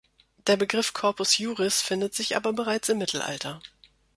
Der Begriff "Corpus Iuris" findet sich aber bereits im Mittelalter.